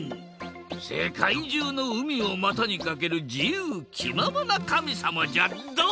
せかいじゅうの海をまたにかけるじゆうきままなかみさまじゃドン！